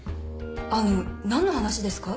あの何の話ですか？